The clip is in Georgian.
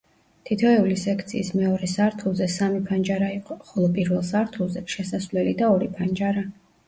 თითოეული სექციის მეორე სართულზე სამი ფანჯარა იყო, ხოლო პირველ სართულზე შესასვლელი და ორი ფანჯარა.